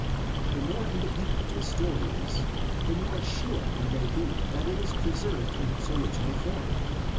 The more independent a story is, the more sure we may be that it is preserved in its original form.